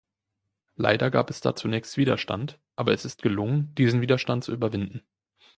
Leider gab es da zunächst Widerstand, aber es ist gelungen, diesen Widerstand zu überwinden.